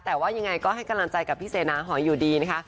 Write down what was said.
แต่ว่ายังไงก็ให้กำลังใจกับพี่เซนาหอยอยู่ดีนะคะ